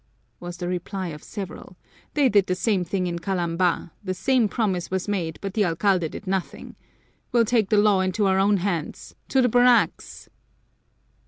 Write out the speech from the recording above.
was the reply of several. "They did the same thing in Kalamba, the same promise was made, but the alcalde did nothing. We'll take the law into our own hands! To the barracks!"